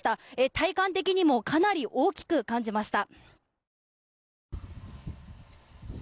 体感的にもかなり大きく感じました。